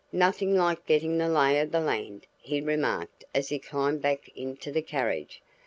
"Nothing like getting the lay of the land," he remarked as he climbed back into the carriage.